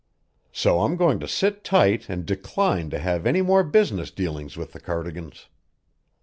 "So I'm going to sit tight and decline to have any more business dealings with the Cardigans.